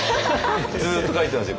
ずっと書いてますよ